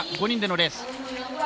５人でのレース。